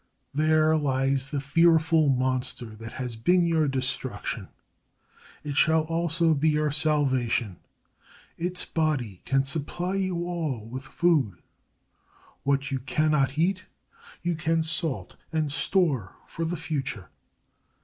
There lies the fearful monster that has been your destruction. It shall also be your salvation. Its body can supply you all with food. What you cannot eat, you can salt and store for the future.